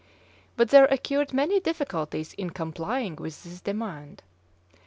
But there occurred many difficulties in complying with this demand.